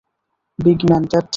Big man TET.